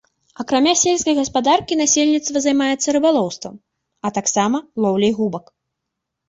Акрамя сельскай гаспадаркі насельніцтва займаецца рыбалоўствам, а таксама лоўляй губак.